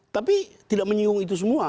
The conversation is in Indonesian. tapi tidak menyinggung itu semua